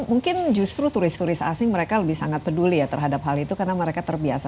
mungkin justru turis turis asing mereka lebih sangat peduli ya terhadap hal itu karena mereka terbiasa